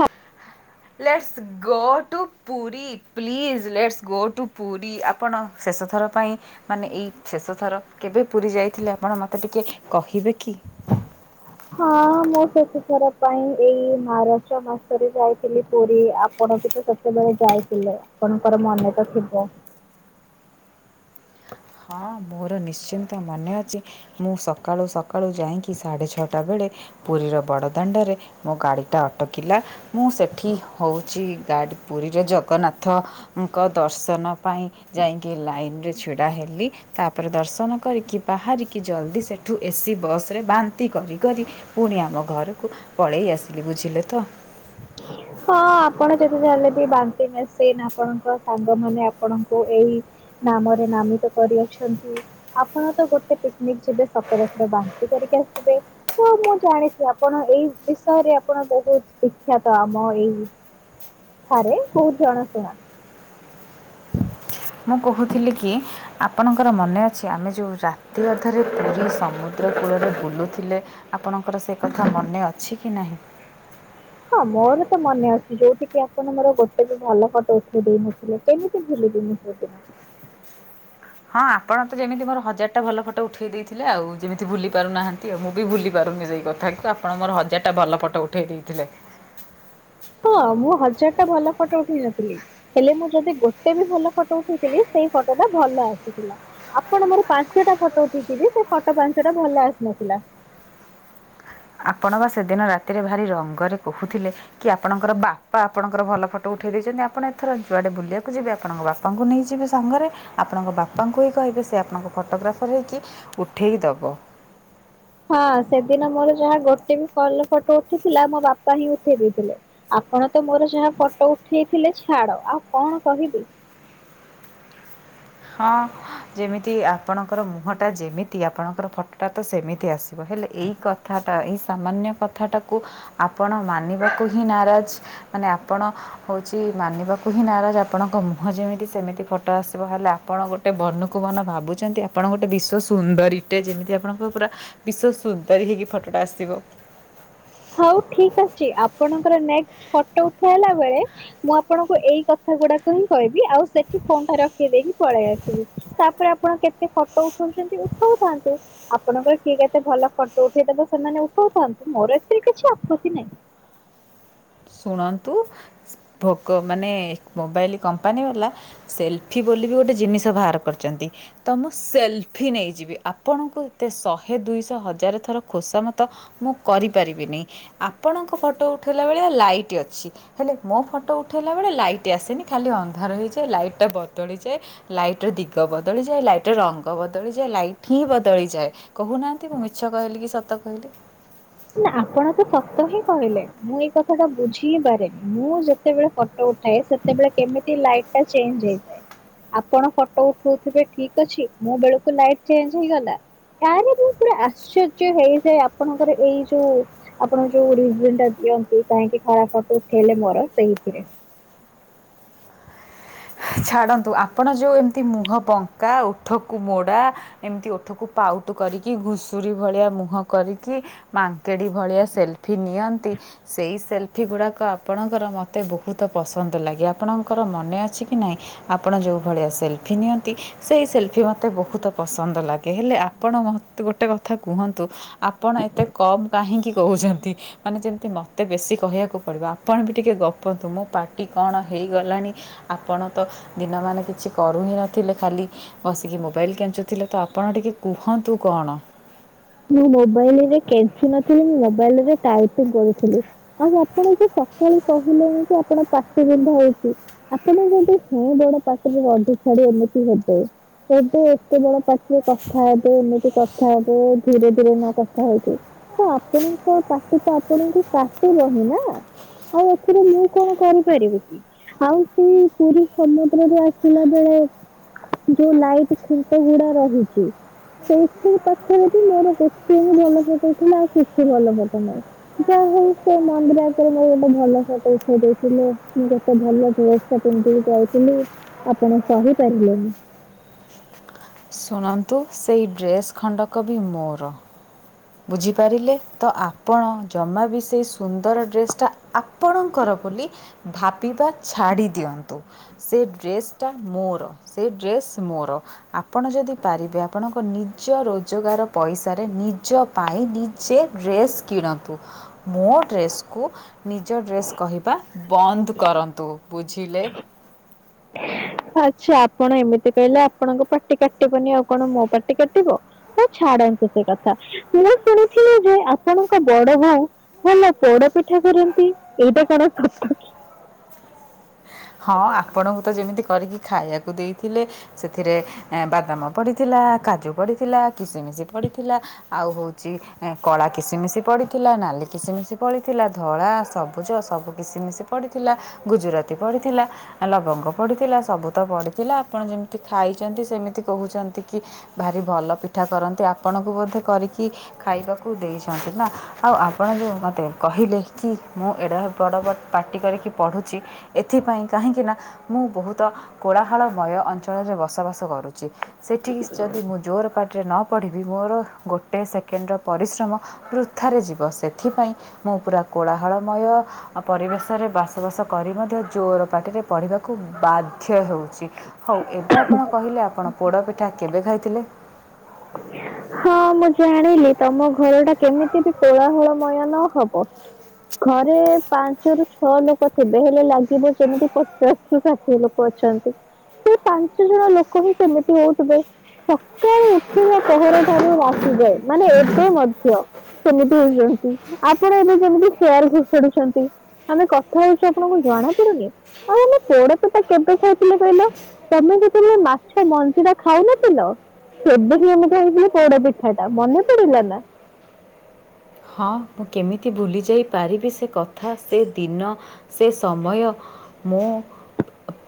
ହଁ। Let's go to Puri please let's go to Puri ଆପଣ ଶେଷ ଥର ପାଇଁ ମାନେ ଏଇ ଶେଷ ଥର କେବେ ପୁରୀ ଯାଇଥିଲେ ଆପଣ ମତେ ଟିକେ କହିବେ କି। ହଁ ମୁଁ ଶେଷଥର ପାଇଁ ଏଇ ମାରଚ ମାସରେ ଯାଇଥିଲି ପୁରୀ ଆ ଆପଣ [unintelligible] ସେତେବେଳେ ଯାଇଥିଲେ ଆପଣଙ୍କର ମନେ ତ ଥିବ ମୋରୋ ନିଶ୍ଚିନ୍ତ ମନେ ଅଛି ମୁଁ ସକାଳୁ ସକାଳୁ ଯାଇଁକି ସାଢ଼େ ଛଅଟା ବେଳେ ପୁରୀର ବଡ଼ଦାଣ୍ଡରେ ମୋ ଗାଡ଼ିଟା ଅଟ କିଲା ମୁଁ ସେଠି ହୋଉଛି ଗାଡ଼ି ପୁରୀରେ ଜଗନ୍ନାଥ ଙ୍କ ଦର୍ଶନ ପାଇଁ ଯାଇଁକି ଲାଇନ୍ ରେ ଛିଡା ହେଲି। ତାପରେ ଦର୍ଶନ କରିକି ବାହାରିକି ଜଲ୍ଦି ସେଠୁ ଏସି ବସ ରେ ବାନ୍ତି କରି କରି ପୁଣି ଆମ ଘରକୁ ପଳେଇ ଆସିଲି ବୁଝିଲେ ତ ହଁ ଆପଣ ଯେତେ ଯାହା ହେଲେ ବି ବାନ୍ତି ମେସିନ ଆପଣଙ୍କ ସାଙ୍ଗମାନେ ଆପଣଙ୍କୁ ଏଇ ନାମରେ ନାମୀତ କରିଅଛନ୍ତି। ଆପଣ ତ ଗୋଟେ ପିକ୍ନିକ୍ ଯିବେ ସତର ଥର ବାନ୍ତି କରିକି ଆସିବେ। ହଁ ମୁଁ ଜାଣିଚି ଆପଣ ଏଇ ବିଷୟରେ ଆପଣ ବୋହୁତ ବିଖ୍ୟାତ ଆପ ମ ଏଇ ଠାରେ ବୋହୁତ ଜଣା ଶୁଣା। ମୁଁ କୋହୁଥିଲି କି ଆପଣଙ୍କର ମନେ ଅଛି ଆମେ ଯୋଉ ରାତି ଅଧରେ ପୁରୀ ସମୁଦ୍ର କୂଳରେ ବୁଲୁଥୁଲେ। ଆପଣଙ୍କର ସେ କଥା ମନେ ଅଛି କି ନାହିଁ? ହଁ ମୋରୋ ତ ମନେ ଅଛି ଯୋଉଠିକିି ଆପଣ ମୋରୋ ଗୋଟେ ବି ଭଲ ଫଟ ଉଠେଇ ଦେଇନଥିଲେ। କେମିତି ଭୁଲିବି ମୁଁ ସେ ଦିନ। ହଁ ଆପଣ ତ ଯେମିତି ମୋରୋ ହଜାର ଟା ଭଲ ଫଟ ଉଠେଇ ଦେଇଥିଲେ ଆଉ ଯେମିତି ଭୁଲି ପାରୁନାହାନ୍ତି ଆଉ ମୁଁ ବି ଭୁଲି ପାରୁନି ସେଇ କ କଥାକୁ ଆପଣ ମୋର ହଜାରଟା ଭଲ ଫଟୋ ଉଠାଇ ଦେଇଥିଲେ। ହଁ ମୁଁ ହଜାର ଟା ଭଲ ଫଟୋ ଉଠେଇ ନଥିଲି। ହେଲେ ମୁଁ ଯଦି ଗୋଟେ ବି ଭଲ ଫଟୋ ଉଠେଇଥିଲି ସେଇ ଫଟୋଟା ଭଲ ଆସିଥିଲା। ଆପଣ ମୋର ପାଞ୍ଚଟା ଫଟୋ ଉଠେଇଥିଲେ ସେ ଫଟୋ ପାଞ୍ଚଟା ଭଲ ଆସିନଥିଲା। ଆପଣ ବା ସେଦିନ ରାତିରେ ଭାରି ରଙ୍ଗରେ କହୁଥିଲେ କି ଆପଣଙ୍କର ବାପା ଆପଣଙ୍କର ଭଲ ଫଟୋ ଉଠେଇ ଦେଇଛନ୍ତି ଆପଣ ଏଥର ଯୁଆଡେ ବୁଲିବାକୁ ଯିବେ ଆପଣଙ୍କ ବାପା ବାପାଙ୍କୁ ନେଇଯିବେ ସାଙ୍ଗରେ ଆପଣଙ୍କ ବାପାଙ୍କୁ ହିଁ କହିବେ ସେ ଆପଣଙ୍କ ଫଟୋଗ୍ରାଫର ହେଇକି ଉଠେଇଦବ। ହଁ ସେଦିନ ମୋର ଯାହା ଗୋଟେ ବି ଭଲ ଫଟୋ ଉଠିଥିଲା ମୋ ବାପା ହିଁ ଉଠେଇ ଦେଇଥିଲେ। ଆପଣ ତ ମୋର ଯାହା ଫଟୋ ଉଠେଇଥିଲେ ଛାଡ ଆଉ କଣ କହିବି। ହଁ ଯେମିତି ଆପଣଙ୍କର ମୁହଁ ଟା ଯେମିତି ଆପଣଙ୍କର ଫଟୋଟା ତ ସେମିତି ଆସ ହେଲେ ଏଇ କଥାଟା ଏଇ ସାମାନ୍ୟ କଥାଟାକୁ ଆପଣ ମାନିବାକୁ ହିଁ ନାରାଜ। ମାନେ ଆପଣ ହୋଉଚି ମାନିବାକୁ ହିଁ ନାରାଜ। ଆପଣଙ୍କ ମୁହଁ ଯେମିତି ସେମିତି ଫଟୋ ଆସିବ ହେଲା। ଆପଣ ଗୋଟେ ବନକୁ ବନ ଭାବୁଚନ୍ତି ଆପଣ ଗୋଟେ ବିଶ୍ୱ ସୁନ୍ଦରୀଟେ। ଯେମିତି ଆପଣଙ୍କ ପୁରା ବିଶ୍ୱ ସୁନ୍ଦରୀ ହେଇକି ଫଟୋଟା ଆସିବ। ହଉ ଠିକ ଅଛି ଆପଣଙ୍କର ନେକ୍ସଟ୍ ଫଟୋ ଉଠାହେଲା ବେଳେ ମୁଁ ଆପଣଙ୍କୁ ଏଇ କ ଥା ଗୁଡାକ ହିଁ କହିବି ଆଉ ସେଠି ଫୋନ୍ ଟା ରଖି ଦେଇକି ପଳେଇ ଆସିବି। ତାପରେ ଆପଣ କେତେ ଫ ଟୋ ଉଠୋଉଚନ୍ତି ଉଠୋଉଥାଆନ୍ତୁ। ଆପଣଙ୍କର କିଏ କେତେ ଭଲ ଫଟୋ ଉଠେଇଦେବେ ସେମାନେ ଉଠୋଉଥାଆନ୍ତୁ। ମୋର ଏଥିରେ କିଛି ଆପତ୍ତି ନାଇଁ। ଶୁଣନ୍ତୁ ସି- ଭୋଗ ମାନେ ମୋବାଇଲ କମ୍ପାନୀ ବାଲା ସେଲଫି ବୋଲିବି ଗୋଟେ ଜିନିଷ ବାହାର କରିଚନ୍ତି। ତ ମୁଁ ସେଲଫି ନେଇଯିବି। ଆପଣଙ୍କୁ ଏତେ ଶହେ ଦୁଇଶହ ହଜାର ଥର ଖୋସାମତ ମୁଁ କରିପାରିବିନି। ଆପଣଙ୍କ ଫଟୋ ଉଠେଇଲା ବଳିଆ ଲାଇଟ୍ ଅଛି। ହେଲେ ମୋ ଫଟୋ ଉଠେଇଲା ବେଳେ ଲାଇଟ୍ ଆସେନି ଖାଲି ଅନ୍ଧାର ହେଇଯାଏ ଲାଇଟ୍ ଟା ବଦଳିଯାଏ ଲାଇଟ ର ଦିଗ ବଦଳିଯାଏ, ଲାଇଟର ରଙ୍ଗ ବଦଳିଯାଏ, ଲାଇଟ ହିଁ ବଦଳିଯାଏ। କହୁନାହାନ୍ତି ମୁଁ ମିଛ କହିଲି କି ସତ କହିଲି? ନା ଆପଣ ତ ସତ ହିଁ କହିଲେ ମୁଁ ଏଇ କଥାଟା ବୁଝିହିଁ ପାରେନି ମୁଁ ଯେତେବେଳେ ଫଟୋ ଉଠାଏ ସେତେବେଳେ କେମିତି ଲାଇଟ୍ ଟା ଚେଞ୍ଜ ହେଇଥାଏ। ଆପଣ ଫଟୋ ଉଠୋଉଥିବେ ଠିକ ଅଛି ମୋ ବେଳକୁ ଲାଇଟ ଚେଞ୍ଜ ହେଇଗଲା? ଫ୍ୟାନ ବି ପୁରା ଆଶ୍ଚର୍ଯ୍ୟ ହେଇଯାଏ ଆପଣଙ୍କର ଏଇ ଯୋଉ ଆପଣ ଯୋଉ ରିଭିଲଟା ଦିଅନ୍ତି କାହିଁକି କଳା ଖରାପ ଫଟୋ ଉଠେଇଲେ ମୋର ସେଇଥିରେ। ଛାଡ଼ନ୍ତୁ ଆପଣ ଯୋଉ ଏମତି ମୁହଁ ବଙ୍କା, ଓଠକୁ ମୋଡ଼ା ଏମତି ଓଠକୁ ପାଉତ୍ କରିକି, ଘୁଷୁରୀ ଭଳିଆ ମୁହଁ କରିକି ମାଙ୍କେଡି ଭଳିଆ ସେଲଫି ନିଅନ୍ତି, ସେଇ ସେଲଫି ଗୁଡାକ ଆପଣଙ୍କର ମତେ ବହୁତ ପସନ୍ଦ ଲାଗେ। ଆପଣଙ୍କର ମନେ ଅଛି କି ନାଇଁ? ଆପଣ ଯେଉଁ ଭଳିଆ ସେଲ୍ଫି ନିଅନ୍ତି ସେଇ ସେଲ୍ଫି ମୋତେ ବହୁତ ପସନ୍ଦ ଲାଗେ ହେଲେ ଆପଣ ମତେ- ଗୋଟେ କଥା କୁହନ୍ତୁ ଆପଣ ଏତେ କମ୍ କାହିଁକି କହୁଚନ୍ତି? ମାନେ ଯେମତି ମତେ ବେଶୀ କହିବାକୁ ପଡିବ ଆପଣ ବି ଟିକେ ଗପନ୍ତୁ ମୋ ପାଟି କଣ ହେଇଗଲାଣି ଆପଣ ତ ଦିନମାନେ କିଛି କରୁ ହିଁ ନଥିଲେ ଖାଲି ବସିକି ମୋବାଇଲ୍ କେଞ୍ଚୁଥିଲେ ତ ଆପଣ ଟିକେ କୁହନ୍ତୁ କଣ? ମୁଁ ମୋବାଇଲରେ କେଞ୍ଚୁ ନଥିଲି ମୁଁ ମୋବାଇଲରେ ଟାଇପି କରୁଥିଲି। ଆଉ ଆପଣ ଯେ ସକାଳୁ କହିଲେନି ଯେ ଆପଣ ପାଟି ବିନ୍ଧା ହୋଉଚି। ଆପଣ ଯଦି ହେଁ ବଡ ପାଟରେ ରନ୍ଧି ଛାଡି ଏମିତି ହେବେ ହେବେ ଏତେ ବଡ ପାଟ ଟେ କଥା ହେବେ ଏମିତି କଥା ହେବେ ଧୀରେ ଧୀରେ ନ କଥା ହଉଛି ତ ଆପଣଙ୍କ ପାଟି ତ ଆପଣଙ୍କୁ କଟିବ ହିଁ ନା। ଆଉ ଏଥିରେ ମୁଁ କଣ କରିପାରିବି କି? ଆଉ ସେଇ ପୁରୀ ସମୁଦ୍ରରୁ ଆସିଲା ବେଳେ ଯୋଉ ଲାଇଟ ଖୁଣ୍ଟ ଗୁଡା ରହିଚି ସେଏଠି ପାଖରେ ମୋର ଗୋଟେବି ଭଲ ଫଟ ଥିଲା ଆଉ କିଛି ଭଲ ଫଟ ନାଇଁ। ଯା ହୋଉ ସେ ମନ୍ଦିର ଆଗରେ ମୋ ଗୋଟେ ଭଲ ଫଟୋ ଉଠେଇ ଦେଇଥିଲ ମୁଁ କେତେ ଭଲ ଡ୍ରେ ସ ପିନ୍ଧିକି ଯାଇଥିଲି ଆପଣ ସହିପାରିଲେନି। ଶୁଣନ୍ତୁ ସେଇ ଡ୍ରେସ୍ ଖଣ୍ଡକ ବି ମୋର। ବୁଝିପାରିଲେ ତ ଆପଣ ଜମା ବି ସେଇ ସୁନ୍ଦର ଡ୍ରେସ୍ ଆପଣଙ୍କର ବୋଲି ଭାବିବା ଛାଡି ଦିଅନ୍ତୁ। ସେ ଡ୍ରେସ ଟା ମୋର ସେ ଡ୍ରେସ୍ ମୋର। ଆପଣ ଯଦି ପାରିବେ ଆପଣଙ୍କ ନିଜ ରୋଜଗାର ପଇସାରେ ନିଜ ପାଇଁ ନିଜେ ଡ୍ରେସ୍ କିଣନ୍ତୁ ମୋ ଡ୍ରେସ୍କୁ ନିଜ ଡ୍ରେସ୍ କହିବା ବନ୍ଦ କରନ୍ତୁ ବୁଝିଲେ। ଆଚ୍ଛା ଆପଣ ଏମିତି କହିଲେ ଆପଣଙ୍କ ପାଟି କାଟିବନି ଆଉ କଣ ମୋ ପାଟି କାଟିବ। ହଁ ଛାଡନ୍ତୁ ସେ କଥା ମୁଁ ଶୁଣିଥିଲି ଯେ ଆପଣଙ୍କ ବଡ଼ ବୋଉ। ଭଲ ପୋଡା ପିଠା କରନ୍ତି ଏଇଟା କଣ ସତ କଥା କି ହଁ ଆପଣଙ୍କୁ ତ ଯେମିତି କରିକି ଖାଇବାକୁ ଦେଇଥିଲେ। ସେଥିରେ ବାଦାମ ପଡ଼ିଥିଲା କାଜୁ ପଡିଥିଲା କିଶମିଶି ପଡ଼ିଥିଲା। ଆଉ ହଉଛି କଳା କିସିମିଶି ପଡିଥିଲା ନାଲି କିସି ମିିଶି ପଡିଥିଲା ଧଳା ସବୁଜ ସବୁ। କିଶିମିଶି ପଢ଼ିଥିଲା ଗୁଜୁରାତି ପଡ଼ିଥିଲା। ଲବଙ୍ଗ ପଡିଥିଲା ସବୁ ତ ପଡିଥିଲା ଆପଣ ଯେମିତି ଖାଇଛନ୍ତି ସେମିତି କହୁଛନ୍ତି କି ଭାରି ଭଲ ପିଠା କରନ୍ତି ଆପଣଙ୍କୁ ବୋଧେ କରିକି ଖାଇବାକୁ ଦେଇଛନ୍ତି ନା। ଆଉ ଆପଣ ଯେଉ ମତେ କହିଲେ କି ମୁଁ ଏଡ଼ା ବଡ଼ ବ ପାଟି କରିକି ପଢ଼ୁଛି। ଏଥିପାଇଁ କାହିଁକିନା ମୁଁ ବହୁତ କୋଳାହାଳମୟ ଅଞ୍ଚଳରେ ବସବାସ କରୁଛି। ସେଠିକି ଯଦି ମୁଁ ଜୋର ପାଟରେ ନ ପଢ଼ିବି ମୋର ଗୋଟେ ସେକେଣ୍ଡର ପରିଶ୍ରମ ବୃଥାରେ ଯିବ ସେଥିପାଇଁ ମୁଁ ପୁରା କୋଳାହଳମୟ ଆଉ ପରିବେଶରେ ବାସବାସ କରି ମଧ୍ୟ ଜୋର ପାଟିରେ ପଢ଼ିବାକୁ ବାଧ୍ୟ ହେଉଛି। ହଉ ଏବେ ଆପଣ କହିଲେ ଆପଣ ପୋଡ଼ପିଠା କେବେ ଖାଇଥିଲେ? ହଁ ମୁଁ ଜାଣିଲି। ତମ ଘର ଟା କେମିତି ବି କୋଳାହଳମୟ ନ ହବ ଘରେ ପାଞ୍ଚରୁୁ ଛଅ ଲୋକ ଥିବେ ହେଲେ ଲାଗିବ ଯେମିତି ପଚାଶରୁୁ ଷାଠିଏ ଲୋକ ଅଛନ୍ତି। ସେ ପାଞ୍ଚ ଜଣ ଲୋକ ହିଁ ସେମିତି ହଉଥିବେ ସକାଳୁ ପହର ଠାରୁ ରାତି ଯାଏ ମାନେ ଏବେ ମଧ୍ୟ। ସେମିତି ହଉଛନ୍ତି ଆପଣ ଏବେ ଯେମିତି ସେୟାର ଘୁଷଡୁଛନ୍ତି। ଆମେ କଥା ହଉଛୁ ଆପଣଙ୍କୁ ଜଣା ପାଡ଼ୁନି ଆ ଆମେ ପୋଡ଼ ପିଠା କେବେ ଖାଉଥିଲେ କହିଲ? ତମେ ଯେତେବେଳେ ମାଛ ମଞ୍ଜିଟା ଖାଉନଥିଲ ସେବେ କିି ଆମେ ଖାଇଥିଲୁ ପୋଡ ପିଠା ଟା ମନେ ପଡ଼ିଲା ନା। ହଁ ମୁଁ କେମିତି ଭୁଲି ଯାଇ ପାରିବି ସେ କଥା ସେ ଦିନ ସେ ସମୟ। ମୁଁ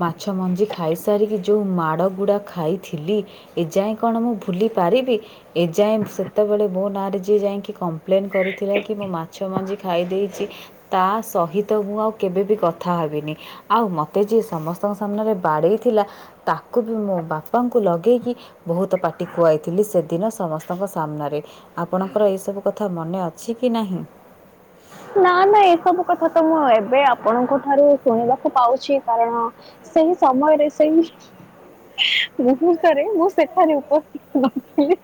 ମାଛ ମଞ୍ଜି ଖାଇସାରିକି ଯେଉଁ ମାଡ଼ ଗୁଡ଼ା ଖାଇଥିଲି। ଏଯାଏଁ କଣ ମୁଁ ଭୁଲି ପାରିବି ଏଯାଏଁ ସେତେବେଳେ ମୋ ନାଁରେ ଯିଏ ଯାଇକି କମ୍ପ କମ୍ପ୍ଲେନ୍ କରିଥିଲା କି ମୁଁ ମାଛ ମଞ୍ଜି ଖାଇ ଦେଇେଇଛି। ତା ସହିତ ମୁଁ ଆଉ କେବେବି କଥା ହେବିନି। ଆଉ ମୋତେ ଯିଏ ସମସ୍ତଙ୍କ ସାମ୍ନାରେ ବାଡ଼େଇଥିଲା ତାକୁ ବି ମୋ ବାପାଙ୍କୁ ଲଗେଇକି ବହୁତ ପାଟି ଖୁଆଇଥିଲି ସେଦିନ ସମସ୍ତଙ୍କ ସାମ୍ନାରେ ଆପଣଙ୍କର ଏଇ ସବୁ କଥା ମନେ ଅଛି କି ନାହିଁ? ନା ନା ଏସବୁ କଥା ତ ମୁଁ ଏବେ ଆପଣଙ୍କ ଠାରୁ ଶୁଣିବାକୁ ପାଉଛି କାରଣ ସେଇ ସମୟରେ ସେଇ ମୁହୂର୍ତ୍ତରେ ମୁଁ ସେଠାରେ ଉପସ୍ଥିତ ନଥିଲି।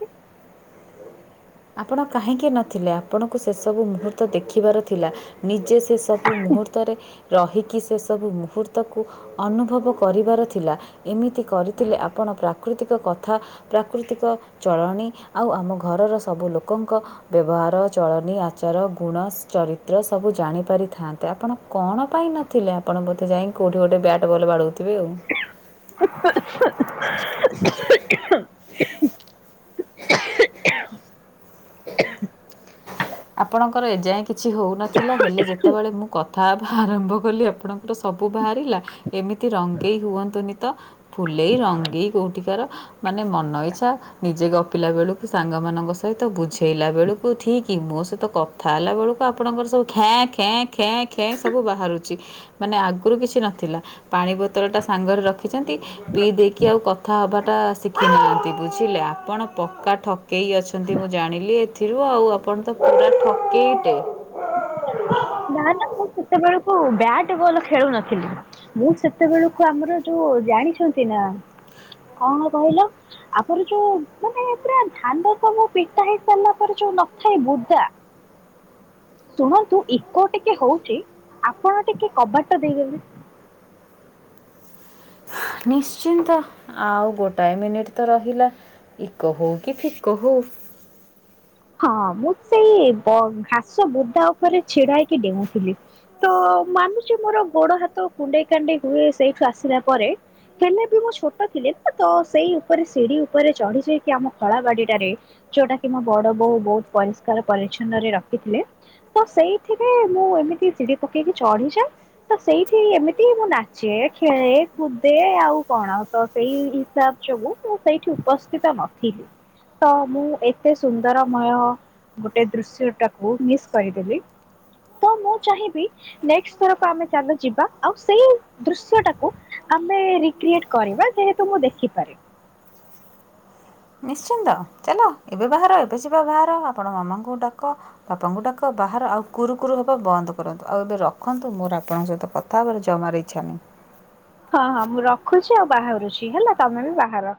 ଆପଣ କାହିଁକି ନଥିଲେ ଆପଣଙ୍କୁ ସେସବୁ ମୁହୂର୍ତ୍ତ ଦେଖିବାର ଥିଲା ନିଜେ ସେ ସେ ସବୁ ମୁହୂର୍ତ୍ତରେ ରହିକି ସେସବୁ ମୁହୂର୍ତ୍ତକୁ। ଅନୁଭବ କରିବାର ଥିଲା ଏମିତି କରିଥିଲେ ଆପଣ ପ୍ରାକୃତିକ କଥା ପ୍ରାକୃତିକ ଚଳଣି ଆଉ ଆମ ଘରର ସବୁ ଲୋକଙ୍କ। ବ୍ୟବହାର ଚଳନୀ ଆଚାର ଗୁଣ ଚରିତ୍ର ସବୁ ଜାଣିପାରିଥାନ୍ତେ ଆପଣ କଣ ପାଇଁ ନ ଥିଲେ ଆପଣ ବୋଧେ ଯାଇକି କଉଠି ଗୋଟେ ବ୍ୟାଟ୍ ବଲ ବାଡ଼ଉଥିବେ ଆଉ। [inaudible] [inaudible] ଆପଣଙ୍କର ଏଯାଏଁ କିଛି ହଉନଥିଲା ହେଲେ ଯେତେବେଳେ ମୁଁ କଥା ହେବା ଆରମ୍ଭ କଲି ଆପଣ। ସବୁ ବାହାରିଲା ଏମିତି ରଙ୍ଗେଇ ହୁଅନ୍ତୁନି ତ। ଫୁଲେଇ ରଙ୍ଗେଇ କଉଠିକାର। ମାନେ ମନ ଇଚ୍ଛା ନିଜେ ଗପିଲା ବେଳକୁ ସାଙ୍ଗ ମାନଙ୍କ ସହିତ ବୁଝେଇଲା ବେଳକୁ ଠିକ। କି ମୋ ସହିତ କଥା ହେଲା ବେଳକୁ ଆପଣଙ୍କର ସବୁ ଖେଁ ଖେଁ ଖେଁ ଖେଁ ସବୁ ବାହାରୁଛି। ମାନେ ଆଗରୁ କିଛି ନଥିଲା ପାଣି ବୋତଲ ଟା ସାଙ୍ଗରେ ରଖିଛନ୍ତି ପିଇ ଦେଇକି ଆଉ। କଥା ହବାଟା ଶିଖିନାହାନ୍ତି ବୁଝିଲେ ଆପଣ ପକ୍କା ଠକେଇ ଅଛନ୍ତି ମୁଁ ଜାଣିଲି। ରୁ ଆଉ ଆପଣ ତ ପୁରା ଠକେଇଟେ। ନା ନା ମୁଁ ସେତେବେଳକୁ ବ୍ୟାଟ ବଲ ଖେଳୁ ନଥିଲି। ମୁଁ ସେତେବେଳକୁ ଆମର ଯୋଉ ଜାଣିଛନ୍ତି ନା କଣ କହିଲ। ତାପରେ ଯୋଉ ମାନେ ପୁରା ଧାାନ ସବୁ ପିଟା ହେଇ ସାରିଲା ପରେ ଯୋଉ ନଥାଏ ବୁଦା। ଶୁଣନ୍ତୁ ଇକୋ ଟିକେ ହଉଛି ଆପଣ ଟିକେ କବାଟଟା ଦେଇଦେଲେ। ନିଶ୍ଚିନ୍ତ ଆଉ ଗୋଟାଏ ମିନିଟ ତ ରହିଲା। ଇକୋ ହଉ କି ଫିକୋ ହଉ। ହଁ ମୁଁ ସେଇ ଘାସ ବୁଦା ଉପରେ ଛିଡା ହେଇକି ଡେଉଁଥିଲି। ତ ମାନୁଛି ମୋର ଗୋଡ ହାତ କୁଣ୍ଡେଇ କାଣ୍ଡେଇ ହୁଏ ସେଇଠୁ ଆସିଲା ପରେ। ହେଲେ ବି ମୁଁ ଛୋଟ ଥିଲି ନା ତ ସେଇ ଉପରେ ସିଢି ଉପରେ ଚଢି ଯାଇକି ଆମ ଖଳା ବାଡିଟାରେ। ଯୋଉଟା କି ମୋ ବଡ ବୋଉ ବହୁତ ପରିଷ୍କାର ପରିଚଛନ୍ନରେ ରଖିଥିଲେ। ତ ସେଇଥିରେ ମୁଁ ଏମିତି ଚିଡି ପକେଇକି ଚଢିଯାଏ। ତ ସେଇଠି ଏମିତି ମୁଁ ନାଚେ ଖେଳେ କୁଦେ ଆଉ କଣ ତ ସେଇ ହିସାବ ଯୋଗୁ ମୁଁ ସେଇଠି ଉପସ୍ଥିତ ନଥିଲି ତ ମୁଁ ଏତେ ସୁ ଦରମୟ ଗୋଟେ ଦୃଶ୍ୟ ଟାକୁ ମିସ୍ କରିଦେଲି। ତ ମୁଁ ଚାହିଁବି ନେଷ୍ଟ ଥରକୁ ଆମେ ଚାଲ ଯିବା ଆଉ ସେଇ ଦୃଶ୍ୟ ଟାକୁ। ଆମେ ରିକିଏଟ କରିବା ଯେହେତୁ ମୁଁ ଦେଖିପାରେ। ନିଶ୍ଚିନ୍ତ ଚାଲ ଏବେ ବାହାର ଏବେ ଯିବା ବାହାର ଆପଣ ମାମାଙ୍କୁ ଡାକ। ବାପାଙ୍କୁ ଡାକ ବାହାର ଆଉ କୁରୁ କୁରୁ ହବା ବନ୍ଦ କରନ୍ତୁ ଆଉ ଏବେ ରଖନ୍ତୁ ମୋର ଆପଣଙ୍କ ସହିତ କଥା। କଥା ହେବାରେ ଜମାରୁ ଇଚ୍ଛା ନାହିଁ। ହଁ ହଁ ମୁଁ ରଖୁଛି ଆଉ ବାହାରୁଛି ହେଲା ତମେ ବି ବାହାର।